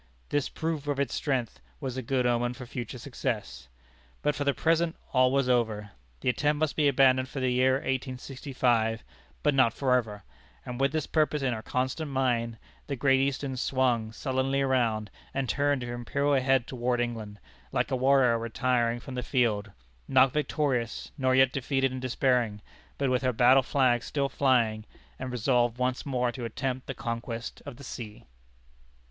_ This proof of its strength was a good omen for future success. But for the present all was over. The attempt must be abandoned for the year 1865, but not for ever; and with this purpose in her constant mind, the Great Eastern swung sullenly around, and turned her imperial head toward England, like a warrior retiring from the field not victorious, nor yet defeated and despairing, but with her battle flag still flying, and resolved once more to attempt the conquest of the sea.